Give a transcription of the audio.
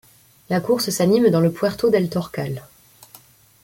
La course s'anime dans le Puerto del Torcal.